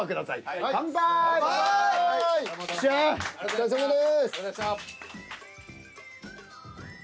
お疲れさまです！